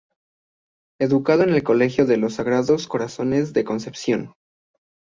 Educado en el Colegio de los Sagrados Corazones de Concepción.